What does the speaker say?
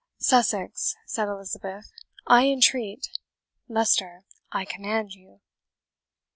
"Sussex," said Elizabeth, "I entreat Leicester, I command you."